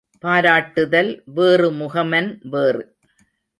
பாராட்டுதல் வேறு முகமன் வேறு.